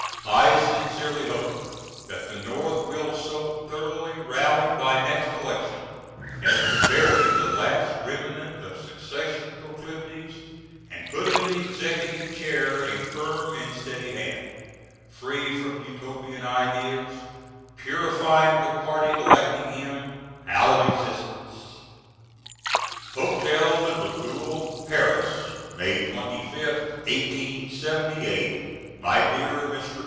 I sincerely hope that the North will so thoroughly rally by next election as to bury the last remnant of secession proclivities, and put in the Executive chair a firm and steady hand, free from Utopian ideas purifying the party electing him out of existence. Hotel Liverpool, Paris, May 25th, '78. MY DEAR MR.